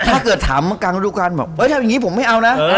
ถ้าเกิดถามกลางรุ่นธุรการแบบเห้ยแบบนี้ผมไม่เอานะ